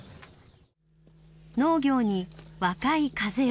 農業に若い風を。